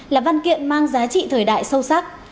là văn kiện mang giá trị thời đại sâu sắc